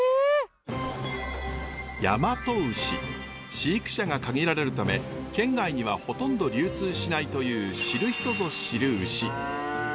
飼育者が限られるため県外にはほとんど流通しないという知る人ぞ知る牛。